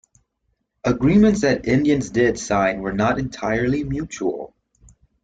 Agreements that Indians did sign were not entirely mutual.